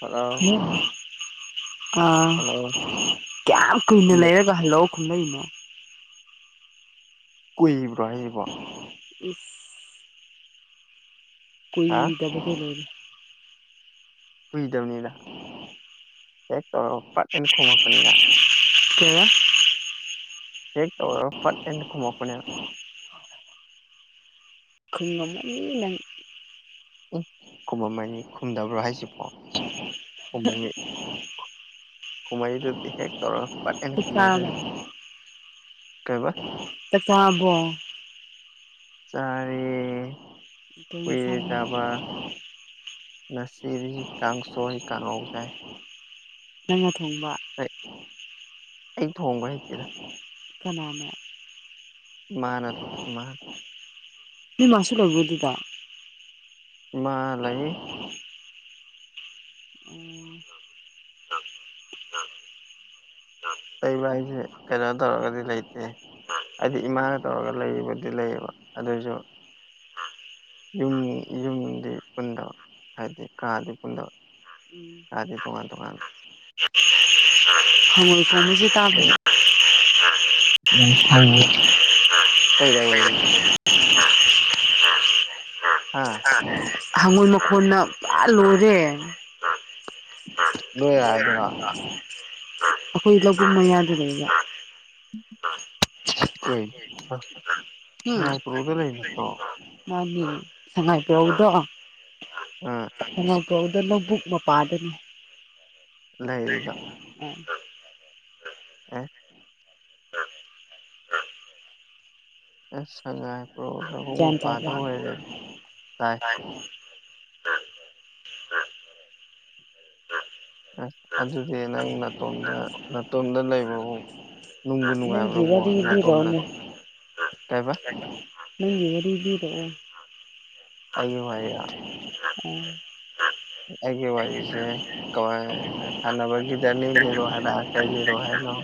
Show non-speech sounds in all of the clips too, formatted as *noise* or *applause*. Hello ꯑ hello ꯀ꯭ꯌꯥꯝ ꯀꯨꯏꯅ ꯂꯩꯔꯛ ꯍꯜꯂꯣ ꯈꯨꯝꯂꯩꯅꫭ ꯀꯨꯏꯕ꯭ꯔꯣ ꯑꯩꯕꯣ ꯏꯁ ꯍꯥ ꯀꯨꯏꯗꯕꯗꯨꯅ ꯀꯨꯏꯗꯞꯅꯤꯗ ꯍꯦꯛ ꯇꯧꯔꯒ ꯐꯠ ꯍꯥꯏꯅ ꯈꯨꯝꯃꯛꯄꯅꯤꯗ ꯀꯩꯕ ꯍꯦꯛ ꯇꯧꯔꯒ ꯐꯠ ꯍꯥꯏꯅ ꯈꯨꯝꯃꯛꯄꯅꯦꯕ ꯈꯨꯝꯃꯝꯃꯅꯤ ꯅꯪ ꯏ ꯈꯨꯝꯃꯝꯃꯅꯤ ꯈꯨꯝꯗꯕ꯭ꯔꯣ ꯍꯥꯏꯁꯤꯕꯣ *unintelligible* ꯈꯨꯝꯃꯛꯏꯗꯨꯗꯤ ꯍꯦꯛ ꯇꯧꯔ ꯄꯠ ꯍꯥꯏꯅ ꯆꯥꯛ ꯈꯨꯝꯃꯛꯏꯗꯨꯗꯤ ꯆꯥꯔꯕꯣ ꯀꯩꯕ ꯆꯛ ꯆꯥꯕꯣ ꯆꯥꯔꯦ ꯀꯩ ꯀꯨꯏꯔꯦ ꯏꯟꯁꯥꯡꯅꫭ ꯆꯥꯕ ꯉꯁꯤꯗꯤ ꯀꯥꯡꯁꯣꯏ ꯀꯥꯡꯉꯧ ꯆꯥꯏ ꯅꯪꯅ ꯊꯣꯡꯕ *unintelligible* ꯑꯩ ꯊꯣꯡꯕ ꯍꯩ ꯀꯅꯥꯅ ꯏꯃꯥꯥꯅ ꯊꯣꯡꯉꯦ ꯏꯃꯥ ꯅꯣꯏ ꯃꯥꯁꯨ ꯂꯩꯕ꯭ꯔꫭ ꯗꯨꯗ ꯏꯃꯥ ꯂꯩ ꯑꯣ ꯂꯩꯕ ꯍꯥꯏꯖ‌ꯦ ꯀꯩꯅꯣ ꯇꯧꯔꯒꯗꯤ ꯂꯩꯇꯦ ꯍꯥꯏꯗꯤ ꯏꯃꯥꯒ ꯇꯧꯔꯒ ꯂꯩꯕꯨꯗꯤ ꯂꯩꯌꯦꯕ ꯑꯗꯨꯏꯖꯨ ꯌꯨꯝ ꯌꯨꯝꯗꯤ ꯄꯨꯨꯟꯗꯕ ꯍꯥꯏꯗꯤ ꯀꯥꯗꯤ ꯄꯨꯨꯟꯗꯕ ꯎꯝ *unintelligible* ꯍꯉꯣꯏ ꯈꯣꯡꯕꯁꯦ ꯇꯥꯞ ꯌꯥꯝ ꯍꯧꯋꯦ ꯀꯩꯗꯧꯏꯅꯣ ꯅꯪ *unintelligible* ꯍꯥ ꯍꯥ ꯍꯪꯉꯣꯏ ꯃꯈꯣꯟꯅ ꯄ꯭ꯔꯥ ꯂꯣꯏꯔꯦ ꯅꯣꯏ ꯑꯗꯔꯣ *unintelligible* ꯑꯈꯣꯏ ꯂꯧꯕꯨꯛ ꯃꯌꯥꯗ ꯂꯩꯩꯕ *unintelligible* ꯀꯩ ꯍ ꯍꯨꯝ *unintelligible* ꯃꯥꯅꯤ ꯁꯉꯥꯏ ꯄ‌ꯣꯔꯧꯗꯣ ꯑꯥ ꯁꯉꯥꯏ ꯄ꯭ꯔꯧꯗ ꯂꯧꯕꯨꯛ ꯃꯄꯥꯗ *unintelligible* ꯂꯩꯔꯤꯗꯣ *unintelligible* ꯑ ꯑꯦ ꯑꯦꯁ ꯁꯉꯥꯏꯄ꯭ꯔꯧ ꯂꯧꯕꯨꯛ ꯒ꯭ꯌꯥꯟ ꯃꯄꯥꯗ ꯇꯥꯕ꯭ꯔꯥ ꯑꯣꯏꯔꯦ ꯇꯥꯏ *unintelligible* ꯑꯁ ꯑꯗꯨꯗꯤ ꯅꯪ ꯅꯇꯣꯝꯗ ꯅꯇꯣꯝꯗ ꯂꯩꯕꯕꯨꯛ ꯅꯪꯒꯤ ꯋꯥꯔꯤ ꯂꯤꯔꯑꯣꯅꯦ ꯀꯩꯕ *unintelligible* ꯅꯪꯒꯤ ꯋꯥꯔꯤ ꯂꯤꯔ‌ꯣꯑꯣ ꯑꯩꯒꯤ ꯋꯥꯔꯤꯔꯣ *unintelligible* ꯑ ꯑꯩꯒꯤ ꯋꯥꯔꯤꯖꯦ ꯀꯃꯥꯏꯅ ꯁꯥꯟꯅꯕꯒꯤꯗ ꯅꯤ ꯂꯤꯔꯣ ꯍꯥꯏꯔꯥ ꯀꯩ ꯂꯤꯔꯣ ꯍꯥꯏꯅꯣ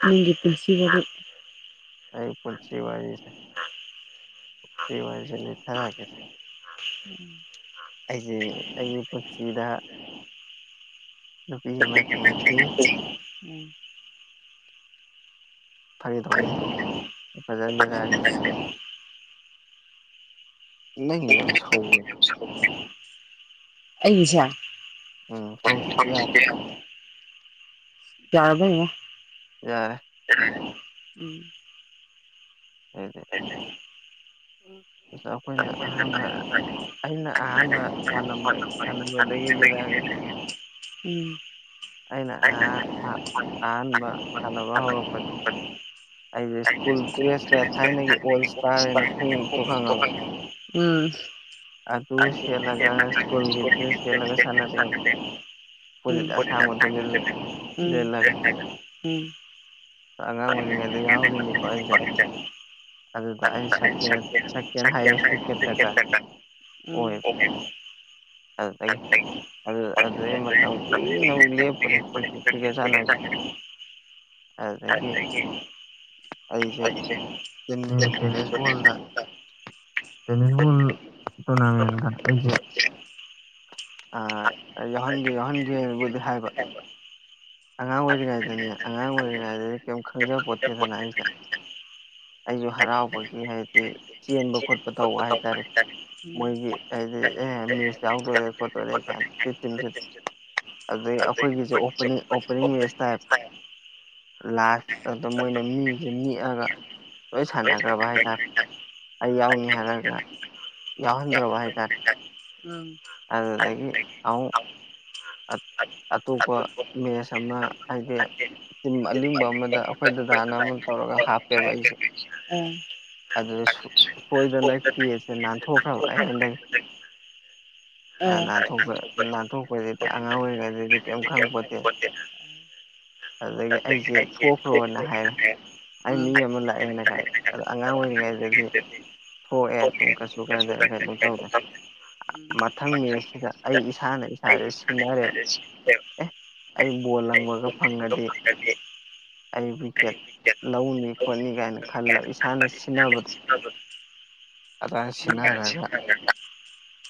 ꯅꯪꯒꯤ ꯄꯨꯟꯁꯤ ꯋꯥꯔꯤ ꯑꯩ ꯄꯨꯟꯁꯤ ꯋꯥꯔꯤꯁꯦ ꯁꯤ ꯋꯥꯔꯤꯖ‌ꯦ ꯂꯤꯊꯔꯀ‌ꯦꯁ *unintelligible* ꯎꯝ ꯑꯩꯖꯦ ꯑꯩꯒꯤ ꯄꯨꯟꯁꯤꯗ ꯅꯨꯄꯤ ꯑꯃꯥ ꯊꯦꯡꯅꯈꯤ ꯐꯒꯤ ꯇꯧꯕꯅꯦ ꯎꯝ ꯐꯖꯅ ꯂꯤꯔꯛꯑꯒꯦꯁ ꯅꯪꯒꯤꯗꯣ ꯌꯥꯝ ꯁꯧꯋꯦ *unintelligible* ꯑꯩꯒꯤꯁꯦ ꯎꯝ ꯍꯧꯖꯤꯛꯇꯤ ꯌꯥꯔꯦ *unintelligible* ꯌꯥꯔꯕ ꯌꯦꯡꯉꯣ ꯌꯥꯔꯦ *unintelligible* ꯎꯝ ꯍꯦꯗꯦ ꯉꯁꯥꯏ ꯑꯩꯈꯣꯏꯅ ꯑꯍꯥꯟꯕ ꯑꯩꯅ ꯑꯍꯥꯟꯕ *unintelligible* ꯎꯝ *unintelligible* *unintelligible* ꯁꯥꯟꯅꯕ ꯁꯥꯟꯅꯕꯗꯒꯤ ꯂꯤꯔꯛꯑꯒꯦ ꯑꯩꯅ ꯑꯍꯥꯟꯕ ꯁꯥꯟꯅꯕ ꯍꯧꯔꯛꯄꯁꯦ ꯑꯩꯁꯦ ꯁ꯭ꯀꯨꯜ ꯗ꯭ꯔꯦꯁꯀ ꯊꯥꯏꯅꯒꯤ ꯑꯣꯜ ꯏꯁꯇꯥꯔ ꯍꯥꯏꯅ ꯈꯣꯡꯎꯞꯇꯣ ꯈꯪꯉꯕ ꯎꯝ ꯑꯗꯨ ꯁꯦꯠꯂꯒ ꯁ꯭ꯀꯨꯜꯒꯤ ꯗ꯭ꯔꯦꯁ ꯁꯦꯠꯂꯒ ꯁꯥꯅꯥꯔ‌ꯦꯑꯦꯕ ꯐꯨꯔꯤꯠ ꯑꯁꯥꯡꯕꯗ‌ꯣ ꯂꯤꯠ ꯂꯤꯠꯂꯒ ꯑꯉꯥꯡ ꯑꯣꯏꯔꯤꯉꯩꯗ ꯌꯥꯎꯔꯤꯅꯤꯀꯣ ꯑꯩꯖꯦ ꯁꯦꯀꯦꯟ ꯍꯥꯏꯌꯦꯁ ꯋꯤꯀꯦꯠꯇꯒ ꯑꯣꯏ *unintelligible* ꯑꯗꯨꯗꯒꯤ ꯑꯗꯨ ꯑꯗꯨꯗꯩ ꯃꯇꯝ ꯀꯨꯏꯅ ꯑꯃꯨꯛ ꯂꯦꯞꯄꯨꯔꯦ ꯀ꯭ꯔꯤꯀꯦꯠ ꯁꯥꯟꯅꯕ ꯑꯗꯨꯗꯒꯤ ꯑꯩꯒꯦ *unintelligible* ꯇꯦꯅꯤꯁ ꯕꯣꯜ ꯇꯦꯅꯤꯁ ꯕꯣꯜ ꯎꯝ ꯎꯝ ꯎꯝ ꯇꯣꯔꯅꯃꯦꯟꯗ ꯑꯩꯖꯦ ꯑꯥ ꯌꯥꯎꯍꯟꯒꯦ ꯌꯥꯎꯍꯟꯒꯦꯕꯨꯗꯤ ꯍꯥꯏꯕ ꯑꯉꯥꯡ ꯑꯣꯏꯔꯤꯉꯩꯗꯅꯦ ꯑꯉꯥꯡ ꯑꯣꯏꯔꯤꯉꯩꯗꯗꯤ ꯀꯩꯝ ꯈꯪꯖ ꯄꯣꯠꯇꯦꯗꯅ ꯑꯩꯁꯦ ꯑꯩꯁꯨ ꯍꯔꯥꯎꯕꯒꯤ ꯍꯥꯏꯗꯤ ꯆꯦꯟꯕ ꯈꯣꯠꯄ ꯇꯧꯕ ꯍꯥꯏꯇꯥꯔꯦ ꯃꯣꯏꯒꯤ ꯍꯥꯏꯗꯤ ꯑꯦ ꯃꯦꯠꯁ ꯌꯥꯎꯗꯣꯔꯦ ꯈꯣꯠꯇꯣꯔꯦ ꯀꯥꯏꯅ ꯁꯤ ꯇꯤꯝꯁꯤ ꯑꯗꯩ ꯑꯩꯈꯣꯏꯒꯤꯁꯨ ꯑꯣꯄꯅꯤꯡ ꯑꯣꯄꯅꯤꯡ ꯃꯦꯠꯁ ꯇꯥꯏꯞ ꯂꯥꯁ ꯑꯗꯨꯗ ꯃꯣꯏꯅ ꯃꯤꯁꯦ ꯅꯤꯛꯑꯒ ꯂꯣꯏ ꯁꯥꯟꯅꯈ꯭ꯔꯕ ꯍꯥꯏꯇꯥꯔꯦ ꯑꯩ ꯌꯥꯎꯅꯤ ꯍꯥꯏꯔꯒ ꯌꯥꯎꯍꯟꯗ꯭ꯔꯕ ꯍꯥꯏꯇꯥꯔꯦ ꯎꯝ ꯑꯗꯨꯗꯒꯤ ꯑꯃꯨꯛ ꯑꯠ ꯑꯗꯨ ꯑꯇꯣꯞꯄ ꯑꯗꯨ ꯃꯦꯠꯁ ꯑꯃ ꯍꯥꯏꯗꯤ ꯇꯤꯝ ꯑꯥ ꯑꯥ ꯑꯂꯤꯡꯕ ꯑꯃꯗ ꯑꯩꯈꯣꯏ ꯗꯗꯥꯅ ꯑꯃ ꯇꯧꯔꯒ ꯍꯥꯞꯄꯦꯕ ꯑꯩꯁꯦ ꯑꯗꯨ ꯁꯣꯢ ꯁꯣꯏꯗꯅ ꯀꯦꯁꯦ ꯅꯥꯟꯊꯣꯛꯈ꯭ꯔꯕ ꯑꯩꯉꯣꯟꯗꯒꯤ ꯅꯥ ꯅꯥꯟꯊꯣꯛꯄ ꯅꯥꯟꯊꯣꯛꯄꯁꯤꯗ ꯑꯉꯥꯡ ꯑꯣꯏꯔꯤꯉꯩꯗꯗꯤ ꯀꯩꯝ ꯈꯪꯄꯣꯠꯇꯦ ꯑꯗꯒꯤ ꯑꯩꯁꯦ ꯊꯣꯛꯈ꯭ꯔꯣꯅ ꯍꯥꯏꯔꯦ ꯑꯩ ꯃꯤ ꯑꯃ ꯂꯥꯛꯑꯦꯅ ꯀꯥꯢꯅ ꯑꯉꯥꯡ ꯑꯣꯏꯔꯤꯉꯩꯗꯗꯤ ꯊꯣꯛꯑꯦ ꯑꯗꯨꯝ ꯀꯩꯁꯨ ꯀꯥꯏꯗ ꯀꯩꯅꯣ ꯇꯧꯗꯦ ꯃꯊꯪ ꯃꯦꯠꯁꯤꯗ ꯑꯩ ꯏꯁꯥꯅ ꯏꯁꯥꯥꯁꯦ ꯁꯤꯡꯅꯔꯦꯕ ꯑꯦ ꯑꯩ ꯕꯣꯜ ꯂꯪꯕꯒ ꯐꯪꯉꯗꯤ ꯑꯩ ꯋꯤꯛꯀꯦꯠ ꯂꯧꯅꯤ ꯈꯣꯠꯅꯤ ꯀꯥꯏꯅ ꯈꯜꯂꯒ ꯏꯁꯥꯅ ꯁꯤꯟꯅꯕꯗꯣ *unintelligible* ꯑꯗꯨꯃꯥꯏꯅ ꯁꯤꯟꯅꯔꯒ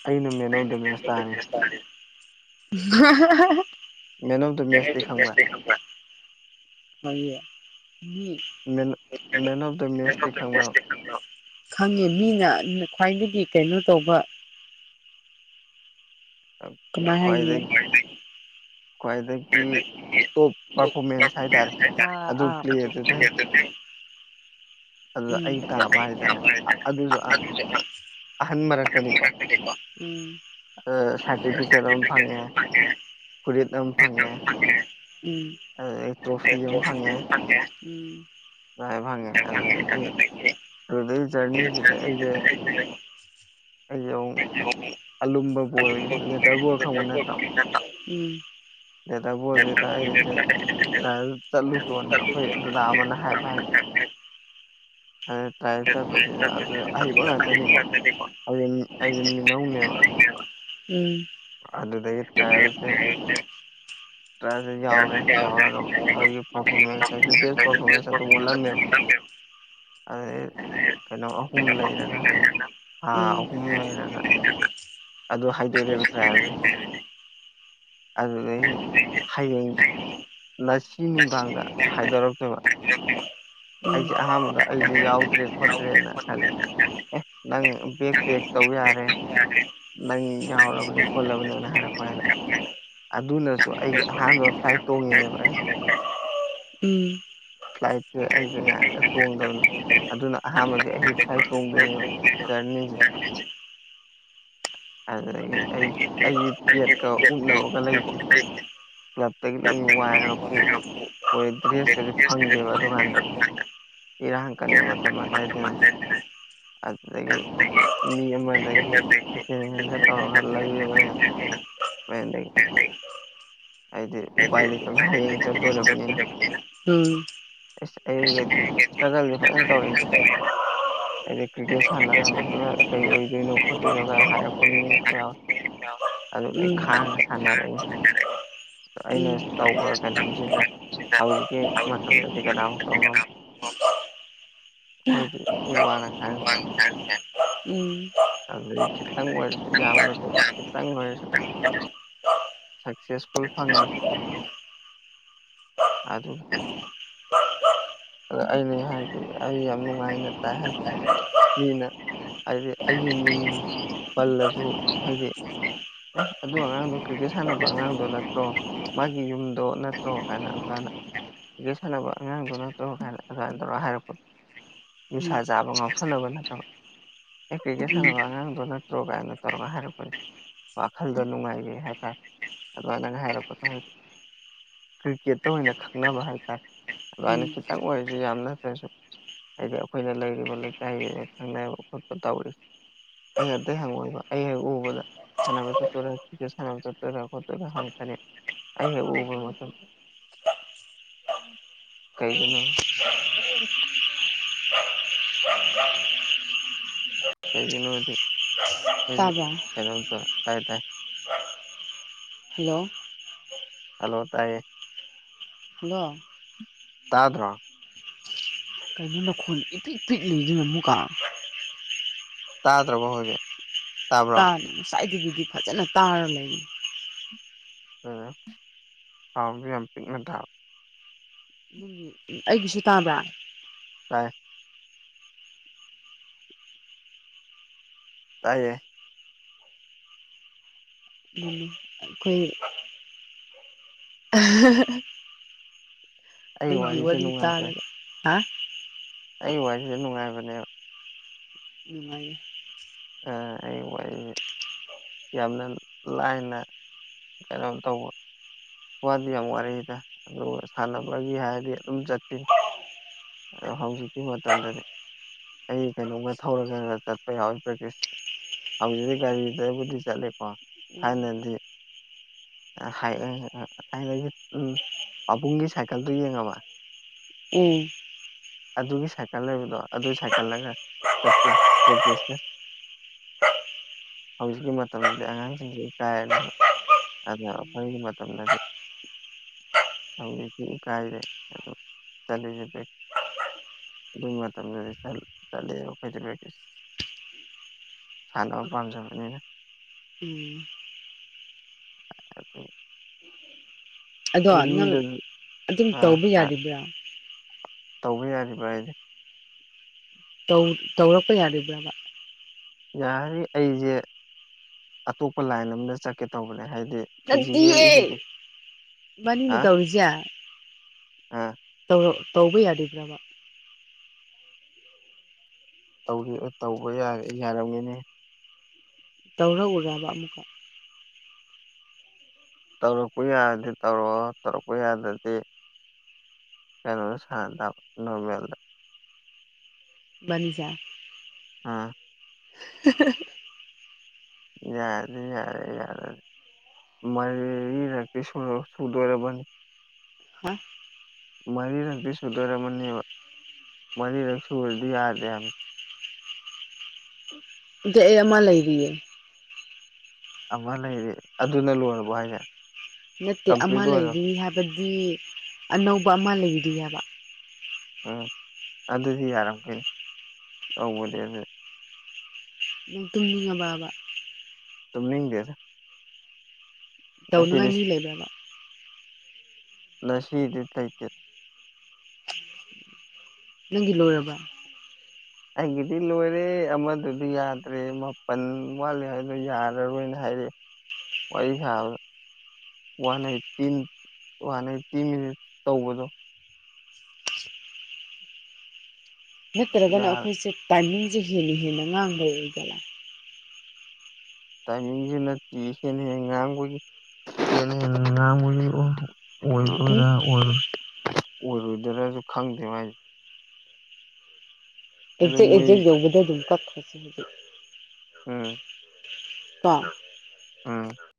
ꯑꯩ ꯃꯦꯟ ꯑꯣꯞ ꯗꯥ ꯃꯦꯠꯆ ꯇꯥꯔꯦ *unintelligible* ꯃꯦꯟ ꯑꯣꯐ ꯗ ꯃꯦꯠꯆꯇꯤ ꯈꯪꯕ꯭ꯔꯥ ꯈꯪꯉꯦ *unintelligible* ꯍꯨꯝ ꯃꯦꯟ ꯃꯦꯟ ꯑꯣꯐ ꯗ ꯃꯦꯠꯆꯇꯤ ꯈꯪꯕ꯭ꯔꯣ ꯈꯪꯉꯦ ꯃꯤꯅ ꯈ꯭ꯋꯥꯏꯗꯒꯤ ꯀꯩꯅꯣ ꯇꯧꯕ ꯑꯥ ꯀꯃꯥꯏ ꯍꯥꯏꯅꯤ ꯀ꯭ꯋꯥꯗ ꯈ꯭ꯋꯥꯗꯒꯤ ꯇꯣꯞ ꯄꯥꯔꯐꯣꯔꯃꯦꯟꯁ ꯍꯥꯏꯇꯥꯔꯦ ꯑꯥ ꯑꯗꯨ ꯑꯥ ꯄ꯭ꯂꯦ ꯗꯨꯗꯪ ꯑꯗꯨꯗ ꯎꯝ ꯑꯩ ꯎꯝ ꯇꯥꯕ ꯍꯥꯏꯇꯥꯔꯦ ꯑ ꯑꯗꯨꯁꯨ ꯑ ꯑꯍꯟ ꯃꯔꯛꯇꯅꯤꯀꯣ ꯎꯝ ꯁꯥꯔꯇꯤꯐꯤꯀꯦꯠ ꯑꯃ ꯐꯪꯉꯦ *unintelligible* ꯐꯨꯔꯤꯠ ꯑꯃ ꯐꯪꯉꯦ ꯎꯝ ꯑꯗꯨꯗꯒꯤ ꯇ꯭ꯔꯣꯐꯤ ꯑꯃ ꯐꯪꯉꯦ *unintelligible* ꯑꯗꯨꯃꯥꯏ ꯐꯪꯉꯦ ꯎꯝ ꯑꯗꯨꯗꯒꯤ ꯑꯗꯨꯗꯩ *unintelligible* ꯖꯔꯅꯤꯁꯤꯗ *inaudible* ꯑꯩ ꯑꯃꯨꯛ *unintelligible* ꯑꯂꯨꯝꯕ ꯕꯣꯜꯒꯤ ꯂꯦꯗꯔ ꯕꯣꯜ ꯈꯪꯕ ꯅꯠꯇ꯭ꯔꯣ ꯂꯦꯗꯔ ꯕꯣꯜꯁꯦ ꯑꯩꯁꯦ ꯇ꯭ꯔꯥꯢꯌꯦꯜ ꯆꯠꯂꯨꯁꯣꯅ ꯑꯩꯈꯣꯏ ꯗꯗꯥ ꯑꯃꯅ ꯍꯥꯏꯕ ꯍꯥꯏ ꯑꯗꯣ ꯇ꯭ꯔꯥꯏꯌꯦꯜ ꯆꯠꯄꯁꯤꯗ ꯑꯗꯨ ꯑꯍꯩꯕ ꯉꯥꯛꯇꯅꯤꯀꯣ ꯎꯝ ꯑꯗꯨꯝ ꯑꯩꯖꯦ ꯃꯤꯅꯧꯅꯦꯕ ꯎꯝ ꯑꯗꯨꯗꯒꯤ ꯇ꯭ꯔꯥꯏꯌꯦꯜꯁꯦ ꯇ꯭ꯔꯥꯢꯌꯦꯜꯁꯦ ꯌꯥꯎꯔꯦ ꯌꯥꯎꯔꯒ ꯑꯩꯒꯤ ꯄꯥꯔꯐꯣꯔꯃꯦꯟꯁ ꯑꯩꯁꯦ ꯕꯦꯁ ꯄꯥꯔꯐꯣꯔꯃꯦꯟꯁ ꯑꯗꯨꯝ ꯎꯠꯂꯝꯃꯦꯕ ꯑꯗꯨꯗꯩ ꯀꯩꯅꯣ ꯑꯍꯨꯝ ꯂꯩꯔꯒ ꯑꯥ ꯑꯍꯨꯝ ꯂꯩꯔꯒ ꯑꯗꯨ ꯍꯥꯏꯗꯣꯔꯛꯑꯦꯕ ꯇ꯭ꯔꯥꯏꯌꯦꯜꯁꯦ ꯑꯗꯨꯗꯩꯒꯤ ꯍꯌꯦꯡ ꯉꯁꯤ ꯎꯝ ꯅꯨꯡꯗꯥꯡꯗ ꯎꯝ ꯍꯥꯏꯗꯣꯔꯛꯇꯣꯢꯕ ꯑꯩꯁꯦ ꯑꯍꯥꯟꯕꯗ ꯑꯩꯁꯦ ꯌꯥꯎꯗ꯭ꯔꯦ ꯈꯣꯠꯇ꯭ꯔꯦꯅ ꯈꯜꯂꯦ ꯑꯦ ꯅꯪ ꯕꯦꯛ ꯄꯦꯛ ꯇꯧ ꯌꯥꯔꯦ ꯅꯪ ꯌꯥꯎꯔꯕꯅꯤ ꯈꯣꯠꯂꯕꯅꯤꯅ ꯍꯥꯏꯔꯛꯄ ꯀꯥꯟꯗ ꯑꯗꯨꯅꯁꯨ ꯑꯩꯒꯤ ꯑꯍꯥꯟꯕ ꯐ꯭ꯂꯥꯏꯠ ꯇꯣꯡꯉꯤꯅꯦꯕ ꯑꯩꯁꯦ ꯎꯝ ꯐ꯭ꯂꯥꯏꯠꯁꯦ ꯑꯩꯖꯦ ꯅꯍꯥꯟꯒꯩ ꯇꯣꯡꯗꯕꯅꯦ ꯑꯗꯨꯅ ꯑꯍꯥꯟꯕꯗꯤ ꯑꯩ ꯐ꯭ꯂꯥꯏꯠ ꯇꯣꯡꯗꯣꯏꯅꯦꯕ ꯖꯔꯅꯤꯖꯦ ꯑꯗꯨꯗꯒꯤ ꯑꯩ ꯑꯩꯗꯤ ꯄ꯭ꯂꯦꯠꯀ ꯎꯠꯅꯕꯒ ꯂꯩꯇꯦ ꯀ꯭ꯂꯞꯇꯒꯤ ꯂꯣꯏꯅ ꯋꯥꯏꯔꯒ ꯄꯨ ꯍꯣꯏ ꯗ꯭ꯔꯦꯁꯀꯁꯦ ꯐꯪꯗꯦꯕ ꯑꯗꯨꯀꯥꯟꯗ ꯏꯔꯥꯡ ꯀꯟꯕ ꯃꯇꯝ ꯑꯗꯨꯋꯥꯏꯗꯅꯦ ꯎꯝ ꯎꯝ ꯎꯝ ꯑꯗꯨꯗꯒꯤ ꯃꯤ ꯎꯝ ꯑꯃꯗꯒꯤ ꯁꯦꯀꯦꯟ ꯍꯦꯟꯗ ꯇꯧꯔꯒ ꯂꯩꯌꯦꯕ ꯑꯩꯅ ꯃꯦꯟꯗꯩ ꯂꯩꯇꯕꯅꯤ ꯍꯌꯦꯡ ꯆꯠꯇꯣꯔꯕꯅꯤꯅ *unintelligible* ꯑꯁ ꯑꯩꯒꯗꯤ ꯏꯁꯇ꯭ꯔꯒꯜꯗꯤ *unintelligible* ꯑꯩꯗꯤ ꯀ꯭ꯔꯤꯛꯀꯦꯠ ꯁꯥꯟꯅꯕꯗꯨꯅ ꯀꯩ ꯑꯣꯏꯗꯣꯏꯅꯣ ꯈꯣꯠꯇꯣꯏꯅꯣ ꯀꯥꯏ ꯍꯥꯏꯔꯛꯄ ꯃꯤ ꯃꯌꯥꯝ ꯑꯗꯨ ꯑꯩ ꯈꯥꯡꯉ ꯁꯥꯅꯔꯛꯏ ꯑꯩꯅ ꯇꯧꯕ ꯀꯩꯅꯣꯝꯁꯤꯗ ꯍꯧꯖꯤꯛꯀꯤ ꯃꯇꯝꯗꯗꯤ ꯀꯅꯥꯃꯨꯛ ꯇꯧꯉꯝꯃꯣꯏ *unintelligible* ꯍꯣꯏꯗꯤ ꯃꯤ ꯋꯥꯅ ꯈꯥꯡ *unintelligible* *unintelligible* ꯑꯗꯨꯗꯩ ꯈꯤꯇꯪ ꯑꯣꯏꯔꯁꯨ ꯌꯥꯝꯅ ꯅꯠꯇ꯭ꯔꯁꯨ ꯈꯤꯇꯪ ꯑꯣꯏꯔꯁꯨ ꯁꯛꯁꯦꯁꯐꯨꯜ ꯐꯪꯉꯤꯁꯦ ꯑꯗꯨ ꯑꯗ ꯑꯩꯅꯦ ꯍꯥꯏꯔꯗꯤ ꯑꯩ ꯌꯥꯝ ꯎꯝ ꯅꯨꯡꯉꯥꯏꯅ ꯇꯥꯏ ꯎꯝ ꯍꯥꯏꯗꯤ ꯃꯤꯅ ꯍꯥꯏꯗꯤ ꯑꯩꯒꯤ ꯃꯤꯡ ꯄꯜꯂꯁꯨ ꯍꯥꯏꯗꯤ ꯑꯦ ꯑꯗꯨ ꯑꯉꯥꯡꯗꯣ ꯀ꯭ꯔꯤꯛꯀꯦꯠ ꯁꯥꯟꯅꯕ ꯑꯉꯥꯡꯗꯨ ꯅꯠꯇ꯭ꯔꯣ ꯃꯥꯒꯤ ꯌꯨꯝꯗꯣ ꯅꯠꯇ꯭ꯔꯣ ꯀꯥꯏꯅ ꯑꯗꯨꯃꯥꯏꯅ ꯀ꯭ꯔꯤꯀꯦꯠ ꯁꯥꯅꯕ ꯑꯉꯥꯡꯗꯨ ꯅꯠꯇ꯭ꯔꯣ ꯑꯗꯨꯃꯥꯏ ꯇꯧꯔ ꯍꯥꯏꯔꯛꯄ ꯅꯤꯁꯥ ꯆꯥꯕ ꯉꯥꯎꯁꯟꯅꯕ ꯅꯠꯇꯕ ꯑꯦ ꯀ꯭ꯔꯤꯀꯦꯠ ꯁꯥꯟꯅꯕ ꯑꯉꯥꯡꯗꯣ ꯅꯠꯇ꯭ꯔꯣ ꯀꯥꯏꯅ ꯇꯧꯔꯒ ꯍꯥꯏꯔꯛꯄꯅꯦ ꯋꯥꯈꯜꯗ ꯅꯨꯡꯉꯥꯏꯔꯤ ꯍꯥꯏꯇꯥꯔꯦ ꯑꯗꯨꯃꯥꯏꯅ ꯍꯥꯏꯔꯛꯄꯗꯣ ꯃꯨꯛ ꯀ꯭ꯔꯤꯀꯦꯠꯇ ꯑꯣꯏꯅ ꯈꯪꯅꯕ ꯍꯥꯏꯇꯥꯔꯦ ꯑꯗꯨꯃꯥꯏꯅ ꯎꯝ ꯈꯤꯇꯪ ꯑꯣꯏꯔꯁꯨ ꯌꯥꯝ ꯅꯠꯇ꯭ꯔꯁꯨ ꯍꯥꯏꯗꯤ ꯑꯩꯈꯣꯏꯅ ꯂꯩꯔꯤꯕ ꯂꯩꯀꯥꯏ ꯈꯪꯕ ꯌꯥꯕ ꯈꯣꯠꯄ ꯇꯧꯔꯤ ꯑꯩ ꯑꯇꯩ ꯍꯪꯉꯛꯑꯣꯏꯕ ꯑꯩ ꯍꯦꯛ ꯎꯕꯗ ꯁꯥꯅꯕ ꯆꯠꯇꯣꯏꯔ ꯀ꯭ꯔꯤꯀꯦꯠ ꯁꯥꯅꯕ ꯆꯠꯇꯣꯏꯔ ꯈꯣꯠꯇꯣꯏꯔ ꯍꯡꯉꯛꯀꯅꯤ ꯑꯩ ꯍꯦꯛ ꯎꯕ ꯃꯛꯇꯗ *unintelligible* ꯀꯩꯒꯤꯅꯣ *unintelligible* ꯀꯩꯒꯤꯅꯣꯗꯤ ꯃꯣꯏꯁꯦ ꯇꯥꯕ꯭ꯔꯥ ꯀꯩꯅꯣꯝꯇꯧ ꯇꯥꯏ ꯇꯥꯏ *unintelligible* ꯍꯜꯂꯣ ꯍꯜꯂꯣ ꯇꯥꯏꯌꯦ ꯍꯜꯂꯣ ꯇꯥꯗ꯭ꯔꯣ ꯃꯈꯣꯟ ꯏꯄꯤꯛ ꯄꯤꯛꯔꯤꯅꯤ ꯌꯦꯡꯉꯣ ꯃꯨꯛꯀ ꯇꯥꯗ꯭ꯔꯕꯣ ꯍꯧꯖꯤꯛ ꯇꯥꯕ꯭ꯔꯣ ꯇꯥꯝ ꯉꯁꯥꯏꯗꯒꯤꯗꯤ ꯐꯖꯅ ꯇꯥꯔ ꯂꯩ ꯇꯥꯎꯖꯨ ꯌꯥꯝ ꯄꯤꯛꯅ ꯇꯥꯕ ꯅꯪꯒꯤ ꯑꯩꯒꯤꯁꯨ ꯇꯥꯕ꯭ꯔꯥ ꯇꯥꯏ ꯇꯥꯏꯌꯦ ꯎꯝ ꯑꯈꯣꯏꯒꯤ *unintelligible* ꯑꯩ ꯗꯨꯏꯒꯤ ꯋꯥꯔꯤꯁꯦ ꯋꯥꯔꯤ ꯇꯥꯔꯒ ꯑꯥ ꯑꯩꯒꯤ ꯋꯥꯔꯤꯗꯤ ꯂꯣꯏꯝ ꯅꯨꯡꯉꯥꯏꯕꯅꯦꯕ ꯅꯨꯡꯉꯥꯏꯌꯦ ꯑ ꯑꯩ ꯋꯥꯔꯤꯖꯦ ꯌꯥꯝꯅ ꯂꯥꯏꯅ ꯀꯩꯅꯣꯝ ꯇꯧꯕ ꯋꯥꯗꯤ ꯌꯥꯝ ꯋꯥꯔꯦꯛꯑꯦꯗ ꯑꯗꯨꯕꯨ ꯁꯥꯟꯅꯕꯒꯤ ꯍꯥꯏꯔꯗꯤ ꯑꯗꯨꯝ ꯆꯠꯄꯤꯅꯤ ꯑꯗꯣ ꯍꯧꯖꯤꯛꯀꯤ ꯃꯇꯝꯗꯗꯤ ꯑꯩ ꯀꯩꯅꯣꯝꯒ ꯊꯧꯔꯒꯒ ꯆꯠꯄ ꯌꯥꯎꯋꯤ ꯄꯔꯦꯛꯇꯤꯁ ꯍꯧꯖꯤꯛꯇꯤ ꯒꯥꯔꯤꯗꯕꯨꯗꯤ ꯆꯠꯂꯦꯀꯣ ꯎꯝ ꯊꯥꯏꯅꯗꯤ ꯑ ꯍꯥꯢ ꯎꯝ ꯍꯥꯏꯡꯗꯒꯤ ꯎꯝ ꯄꯥꯕꯨꯡꯒꯤ ꯁꯥꯏꯀꯜꯗꯨ ꯌꯦꯡꯉꯕ ꯎꯝ ꯑꯗꯨꯒꯤ ꯁꯥꯏꯀꯜ ꯂꯩꯕꯗꯣ ꯑꯗꯨ ꯁꯥꯏꯀꯜꯂꯒ ꯆꯠꯄꯤ ꯄ꯭ꯔꯦꯛꯇꯤꯁꯅꯁ ꯍꯧꯖꯤꯛꯀꯤ ꯃꯇꯝꯗ ꯑꯉꯥꯡꯁꯤꯡꯁꯦ. ꯢꯀꯥꯏꯔꯅꯤꯕ ꯍꯥꯢꯕ ꯌꯥꯝ ꯎꯝ ꯈꯣꯢꯒꯤ ꯃꯇꯝꯗꯗꯤ ꯍꯧꯖꯤꯛꯇꯤ ꯑꯨ ꯀꯥꯏꯔꯦ ꯑꯗꯣ *unintelligible* ꯑꯗꯨ ꯃꯇꯝꯗꯗꯤ ꯆꯠ ꯆꯠꯂꯦꯕ ꯑꯈꯣꯏꯗꯤ ꯕ꯭ꯔꯦꯀꯦꯁꯟ ꯁꯥꯟꯅ ꯄꯥꯝꯖꯕꯅꯤꯅ ꯎꯝ *unintelligible* ꯑꯗꯣ ꯑꯗꯨ ꯅꯪ ꯃꯤꯗꯖꯨ ꯑꯗꯨꯝ ꯑꯥ ꯇꯧꯕ ꯑ ꯌꯥꯔꯤꯕ꯭ꯔꯥ ꯇꯧꯕ ꯌꯥꯔꯤꯕ꯭ꯔꯥꯏꯗꯤ ꯇꯧ ꯇꯧꯔꯛꯄ ꯌꯥꯔꯤꯕ꯭ꯔꯕ ꯌꯥꯔꯤ ꯑꯩꯖꯦ ꯑꯇꯣꯞꯄ ꯂꯥꯏꯟ ꯑꯃꯝꯗ ꯆꯠꯀꯦ ꯇꯧꯕꯅꯦ ꯍꯥꯏ ꯗꯦ ꯐꯤꯖꯤꯀꯦꯜꯂꯤ ꯅꯠꯇꯤꯌꯦ ꯑꯤꯞꯕꯤꯕꯦ‌ꯛ ꯍꯥ ꯔꯨꯖꯤꯌꯥ ꯑꯥ ꯇꯧꯕ ꯌꯥꯒꯤꯗ꯭ꯔꯕ ꯇꯧꯔꯤꯕꯔ ꯇꯧꯕ ꯌꯥꯔꯦ ꯌꯥꯔꯝꯒꯤꯅꯤ ꯇꯧꯔꯛ ꯎꯔꯕ ꯑꯃꯨꯛꯀ ꯇꯧꯔꯛꯄ ꯌꯥꯔꯗꯤ ꯇꯧꯔꯣꯛꯑꯣ ꯇꯧꯔꯛꯄ ꯌꯥꯗꯔꯗꯤ ꯀꯩꯅꯣꯗ ꯁꯟꯅꯇꯥꯕ ꯅꯣꯔꯃꯦꯜꯗ ꯕꯟꯖꯥ ꯑ *unintelligible* ꯌꯥꯅꯤ ꯌꯥꯔꯦ ꯌꯥꯔꯅꯤ ꯃꯔꯤꯔꯛꯇꯤ ꯁꯨ ꯁꯨꯗꯣꯔꯕꯅꯤ ꯍꯥ ꯃꯔꯤꯔꯛꯇꯤ ꯁꯨꯗꯣꯔꯝꯃꯅꯤꯕ ꯃꯔꯤꯔꯛ ꯁꯨꯔꯗꯤ ꯌꯥꯗꯦ ꯍꯥꯏ *unintelligible* ꯗꯦꯑꯦ ꯑꯩ ꯑꯃ ꯂꯩꯔꯤꯌꯦ ꯑꯃ ꯂꯩꯔꯤ ꯑꯗꯨꯅ ꯂꯣꯏꯔꯕꯣ ꯍꯥꯏꯁꯦ ꯅꯠꯇꯦ ꯑꯃ ꯀꯝꯄ꯭ꯂꯤꯠ ꯑꯣꯏꯔꯕ ꯂꯩꯔꯤ ꯍꯥꯏꯕꯗꯤ ꯑꯅꯧꯕ ꯑꯃ ꯂꯩꯔꯤ ꯍꯥꯢꯕ ꯎꯝ ꯑꯗꯨꯗꯤ ꯌꯥꯔꯝꯈꯤꯅꯤ ꯇꯧꯕꯗꯤ ꯑꯗꯨꯗꯤ ꯅꯪ ꯇꯨꯝꯅꯤꯡꯉꯕꯕ ꯇꯨꯝꯅꯤꯡꯗꯦꯗ ꯇꯧꯅꯉꯥꯏ ꯃꯤ ꯉꯁꯤꯗꯤꯁ ꯂꯩꯕ꯭ꯔꯕ ꯉꯁꯤꯗꯤ ꯇꯩꯗꯦ ꯅꯪꯗꯤ ꯂꯣꯏꯔꯕ ꯑꯩꯒꯤꯗꯤ ꯂꯣꯏꯔꯦ ꯑꯃꯗꯨꯗꯤ ꯌꯥꯗ꯭ꯔꯦ ꯃꯥꯄꯜ ꯋꯥꯠꯂꯤ ꯍꯥꯏꯗꯣ ꯌꯥꯔꯔꯣꯏꯅ ꯍꯥꯏꯔꯦ ꯋꯥꯔꯤ ꯁꯥꯕꯗ one eighteen one eighteen minutes ꯇꯧꯕꯗꯣ ꯅꯠꯇ꯭ꯔꯒꯅ ꯌꯥꯔ ꯑꯩꯈꯣꯏꯁꯦ ꯇꯥꯏꯃꯤꯡꯁꯦ ꯍꯦꯟꯅ ꯍꯦꯟꯅ ꯉꯥꯡꯕꯩ ꯑꯣꯏ ꯖꯥꯠꯂꯥ ꯇꯥꯏꯃꯤꯡꯖꯦ ꯅꯠꯇꯦ ꯍꯦꯟꯅ ꯍꯦꯟꯅ ꯉꯥꯡꯕꯒꯤ ꯍꯦꯟꯅ ꯍꯦꯟꯅ ꯉꯥꯡꯕꯒꯤ ꯎꯝ ꯑꯣꯏꯗꯣꯏꯔ ꯑꯣꯏꯔꯣꯏ ꯑꯣꯢꯔꯣꯢꯗꯣꯏꯔꯖꯨ ꯈꯪꯗꯦ ꯃꯥꯢꯖꯦ ꯑꯗꯨ ꯑꯦꯛꯖꯦꯛ ꯃꯣꯏ ꯑꯦꯛꯖꯦꯛ ꯌꯧꯕꯗ ꯑꯗꯨꯝ ꯀꯛꯈꯔꯁꯤꯗꯤ ꯎꯝ ꯀꯣ ꯎꯝ